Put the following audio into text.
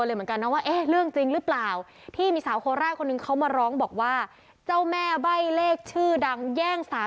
เป็นแค่ลูกน้องเท่านั้น